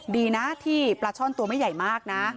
ดีนะที่ปลาช่อนตัวไม่ใหญ่มากนะ